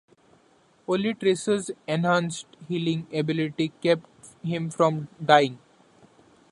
Only Tracer's enhanced healing ability kept him from dying.